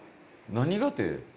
「何が」って。